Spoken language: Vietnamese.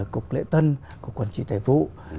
cục lễ tân cục quản trị tài vụ